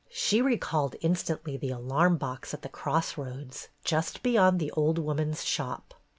She recalled instantly the alarm box at the cross roads, just beyond the old woman's shop.